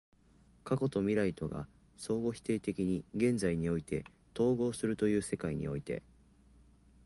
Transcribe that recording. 過去と未来とが相互否定的に現在において結合するという世界において、